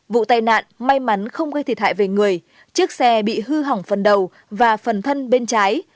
vụ tai nạn may mắn không gây thiệt hại về người chiếc xe bị hư hỏng phần đầu và phần thân bên trái